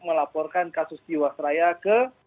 melaporkan kasus jiwa saya ke